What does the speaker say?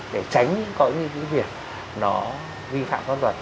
để tránh có những cái việc nó vi phạm pháp luật